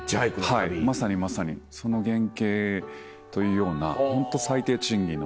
はいまさにまさにその原型というようなホント最低賃金の旅。